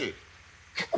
結構。